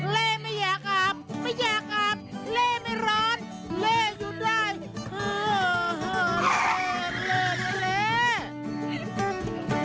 เล่ไม่อยากอาบไม่อยากอาบเล่ไม่ร้อนเล่อยู่ได้เหอเล่เล่